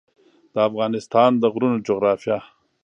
د افغانستان د غرونو جغرافیه